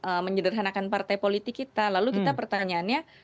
kita menjederhanakan partai politik kita lalu kita pertanyaannya